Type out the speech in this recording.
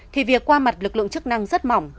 thì việc qua mặt lực lượng chức năng rất mỏng